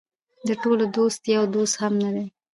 د ټولو دوست د یو دوست هم نه دی.